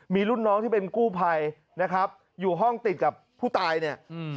มีรุ่นน้องที่เป็นกู้ภัยนะครับอยู่ห้องติดกับผู้ตายเนี่ยอืม